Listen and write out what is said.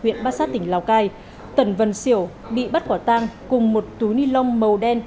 huyện ba sát tỉnh lào cai tần vân siểu bị bắt quả tang cùng một túi nilon màu đen